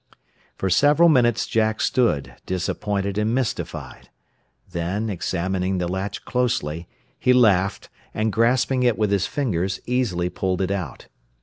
For several minutes Jack stood, disappointed and mystified. Then, examining the latch closely, he laughed, and grasping it with his fingers, easily pulled it out.